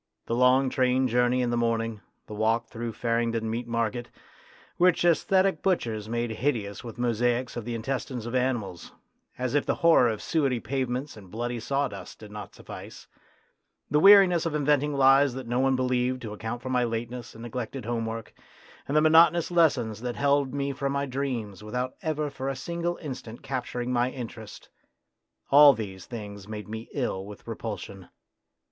The long train journey in the morning, the walk through Farringdon Meat Market, which sesthetic butchers made hideous with mosaics of the intestines of animals, as if the horror of suety pavements and bloody sawdust did not suffice, the weariness of inventing lies that no one believed to account for my lateness and neglected homework, and the monotonous lessons that held me from my dreams without ever for a single instant capturing my interest all these things made me ill with repulsion.